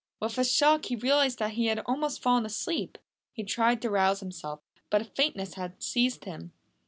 With a shock he realised that he had almost fallen asleep. He tried to rouse himself, but a faintness had seized him.